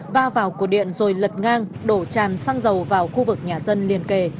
va vào cổ điện rồi lật ngang đổ chàn sang dầu vào khu vực nhà dân liền kề